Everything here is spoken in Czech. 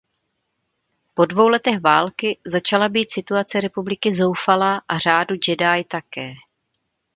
Po dvou letech války začala být situace Republiky zoufalá a řádu Jedi také.